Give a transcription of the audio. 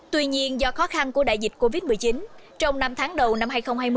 tuy nhiên do khó khăn của đại dịch covid một mươi chín trong năm tháng đầu năm hai nghìn hai mươi